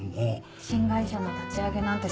新会社の立ち上げなんてすごいです。